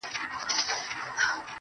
ارام سه څله دي پر زړه کوې باران د اوښکو,